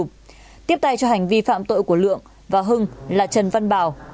các bạn hãy đăng ký kênh để ủng hộ kênh của chúng mình nhé